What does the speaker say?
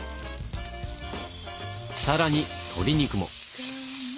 更に鶏肉も。